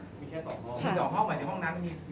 มี๒ห้องกว่าที่ห้องนั้นมี